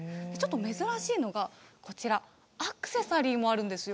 珍しいのはアクセサリーもあるんですよ。